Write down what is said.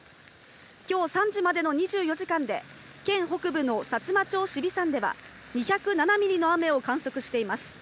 きょう３時までの２４時間で、県北部のさつま町紫尾山では、２０７ミリの雨を観測しています。